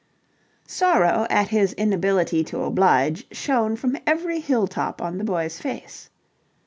Sorrow at his inability to oblige shone from every hill top on the boy's face.